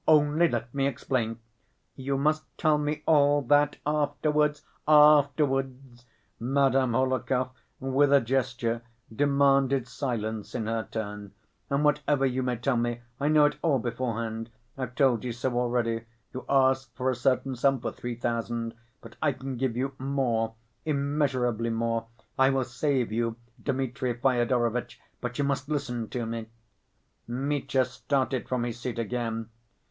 Only let me explain—" "You must tell me all that afterwards, afterwards!" Madame Hohlakov with a gesture demanded silence in her turn, "and whatever you may tell me, I know it all beforehand; I've told you so already. You ask for a certain sum, for three thousand, but I can give you more, immeasurably more, I will save you, Dmitri Fyodorovitch, but you must listen to me." Mitya started from his seat again.